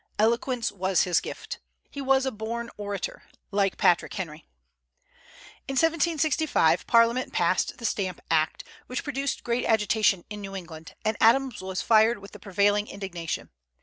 Eloquence was his gift. He was a born orator, like Patrick Henry. In 1765 Parliament passed the Stamp Act, which produced great agitation in New England, and Adams was fired with the prevailing indignation.